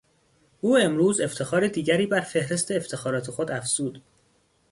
او امروز افتخار دیگری بر فهرست افتخارات خود افزود.